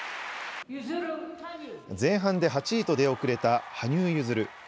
前半で８位と出遅れた羽生結弦。